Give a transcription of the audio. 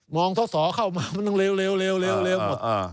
มองทศเข้ามามันต้องเลวหมด